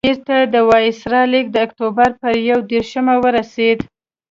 امیر ته د وایسرا لیک د اکټوبر پر یو دېرشمه ورسېد.